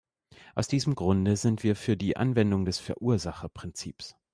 Aus diesem Grunde sind wir für die Anwendung des Verursacherprinzips.